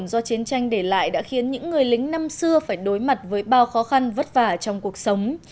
do chiến tranh để lại đã khiến những người lính năm xưa phải đối mặt với bao khó khăn vất vả trong cuộc sống